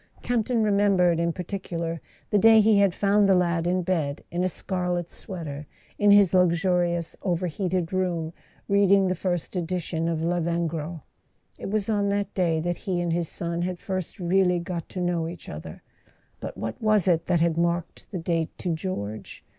Camp ton remembered in par¬ ticular the day he had found the lad in bed, in a scarlet sweater, in his luxurious overheated room, reading the first edition of Lavengro. It was on that day that he and his son had first really got to know each other; but what was it that had marked the date to George